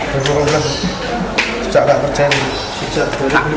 ketua kepua teman teman parkir juga dulu